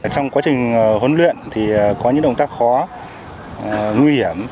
trong quá trình huấn luyện thì có những động tác khó nguy hiểm